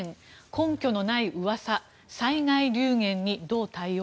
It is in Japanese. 根拠のない噂、災害流言にどう対応？